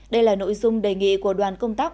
đây là nội dung đề nghị của đoàn công tác